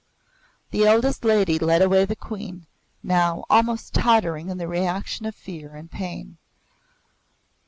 The eldest lady led away the Queen, now almost tottering in the reaction of fear and pain.